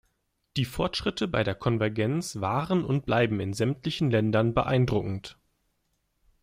Die Fortschritte bei der Konvergenz waren und bleiben in sämtlichen Ländern beeindruckend.